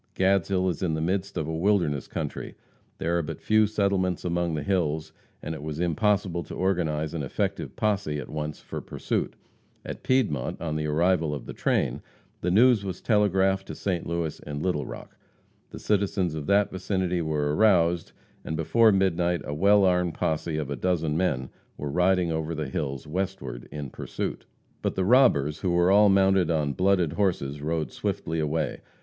Gadshill is in the midst of a wilderness country. There are but few settlements among the hills, and it was impossible to organize an effective posse at once for pursuit. At Piedmont, on the arrival of the train, the news was telegraphed to St. Louis and Little Rock. The citizens of that vicinity were aroused, and before midnight a well armed posse of a dozen men were riding over the hills westward in pursuit. But the robbers, who were all mounted on blooded horses, rode swiftly away.